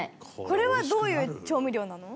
これはどういう調味料なの？